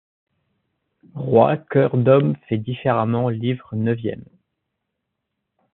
rois cœurs d’homme faits différemment livre neuvième.